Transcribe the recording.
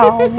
oh bisa aja